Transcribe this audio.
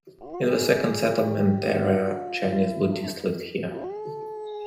In the second settlement era, Chinese Buddhists lived here.